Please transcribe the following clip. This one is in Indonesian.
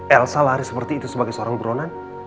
elsa lari seperti itu sebagai seorang bronan